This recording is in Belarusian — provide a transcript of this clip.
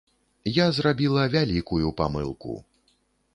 Я зрабіла вялікую памылку.